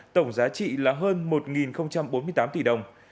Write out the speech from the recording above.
tổng giá trị là hơn một bốn mươi tám tỷ đồng